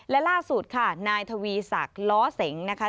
และล่าสุดค่ะนายทวีศักดิ์ล้อเสงนะคะ